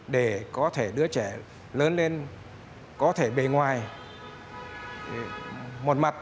để có thể đứa trẻ lớn lên có thể bề ngoài một mặt